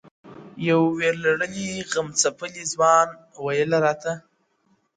• يو وير لـــړلي غمـــځپــلي ځــــوان ويـــــلــــه راتــــــــــه؛